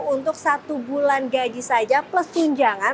untuk satu bulan gaji saja plus tunjangan